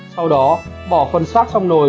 sau đó bỏ phần xác trong nồi